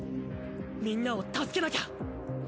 みんなを助けなきゃ！